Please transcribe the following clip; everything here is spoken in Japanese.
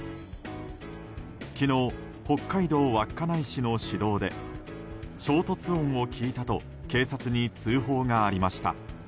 昨日、北海道稚内市の市道で衝突音を聞いたと警察に通報がありました。